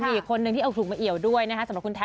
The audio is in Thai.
มีอีกคนนึงที่เอาถุงมาเอี่ยวด้วยนะคะ